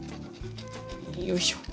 よいしょ。